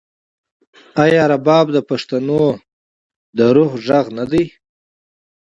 آیا رباب د پښتنو د روح غږ نه دی؟